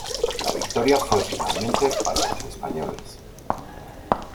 La victoria fue finalmente para los españoles.